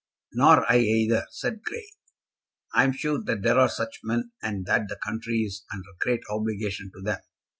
"Nor I either," said Grey. "I am sure that there are such men, and that the country is under great obligation to them.